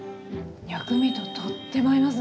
薬味ととっても合いますね。